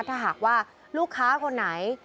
ถ้าหากว่าลูกค้าคนไหน